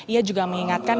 ia juga mengingatkan